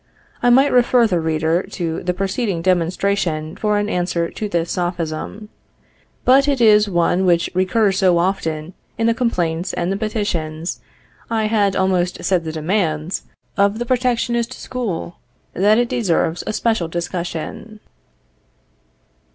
I might refer the reader to the preceding demonstration for an answer to this Sophism; but it is one which recurs so often in the complaints and the petitions, I had almost said the demands, of the protectionist school, that it deserves a special discussion.